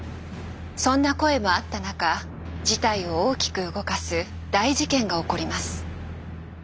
そんな声もあった中事態を大きく動かす大事件が起こります。